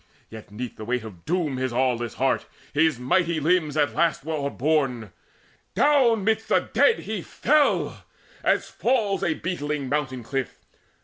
But 'neath the weight Of doom his aweless heart, his mighty limbs, At last were overborne. Down midst the dead He fell, as fails a beetling mountain cliff.